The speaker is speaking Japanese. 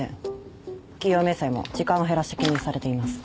給与明細も時間を減らして記入されています。